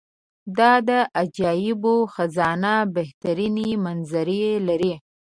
دا د عجایبو خزانه بهترینې منظرې لري.